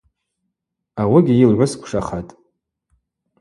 Ауыгьи йлгӏвысквшахатӏ.